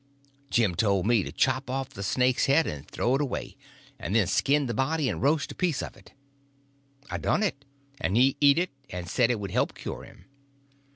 Jim told me to chop off the snake's head and throw it away, and then skin the body and roast a piece of it. I done it, and he eat it and said it would help cure him.